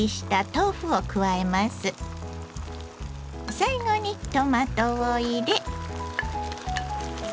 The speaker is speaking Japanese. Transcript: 最後にトマトを入れ。